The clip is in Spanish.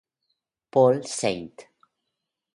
Paul St.